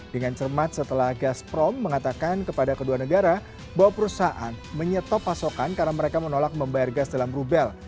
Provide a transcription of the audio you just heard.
dengan cermat setelah gasprom mengatakan kepada kedua negara bahwa perusahaan menyetop pasokan karena mereka menolak membayar gas dalam rubel